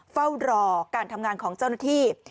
เฝ้ารอการทำงานของเจ้าหน้าที่